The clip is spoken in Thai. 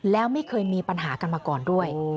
แล้วไม่เคยมีปัญหากันมาก่อนด้วย